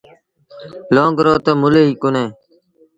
لونگ رو تا مُل ئي ڪونهي۔